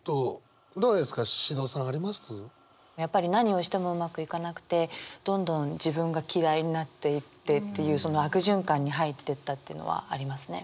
やっぱり何をしてもうまくいかなくてどんどん自分が嫌いになっていってっていうその悪循環に入ってったっていうのはありますね。